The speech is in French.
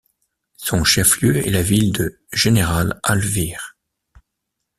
Son chef-lieu est la ville de General Alvear.